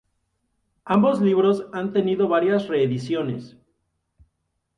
Ambos libros han tenido varias reediciones.